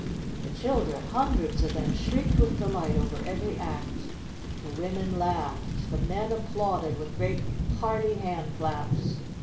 The children hundreds of them shrieked with delight over every act. The women laughed, the men applauded with great hearty hand claps.